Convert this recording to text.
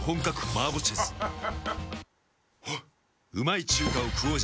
あっ。